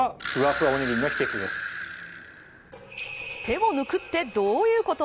手を抜くって、どういうこと。